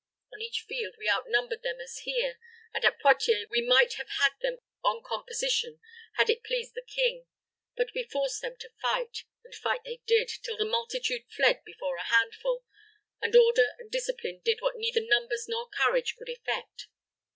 On each field we outnumbered them as here, and at Poictiers we might have had them on composition had it pleased the king. But we forced them to fight, and fight they did, till the multitude fled before a handful, and order and discipline did what neither numbers nor courage could effect.